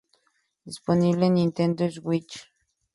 Disponible en Nintendo Switch.